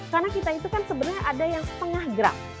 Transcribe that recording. karena sebenarnya ada yang setengah gram